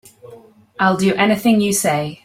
I'll do anything you say.